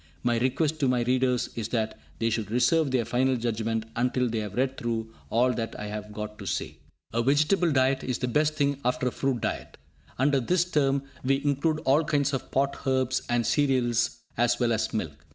My request to my readers is that they should reserve their final judgments until they have read through all that I have got to say. A vegetable diet is the best after a fruit diet. Under this term we include all kinds of pot herbs and cereals, as well as milk.